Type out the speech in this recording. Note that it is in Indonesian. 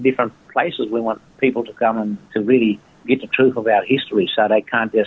dan juga untuk memiliki kehatiran